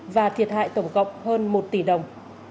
và thiệt hại tổng cộng hơn một tỷ đồng